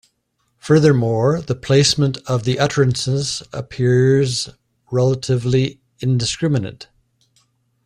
Furthermore, the placement of the utterances appears relatively indiscriminate.